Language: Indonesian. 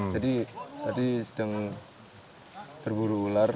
jadi tadi sedang berburu ular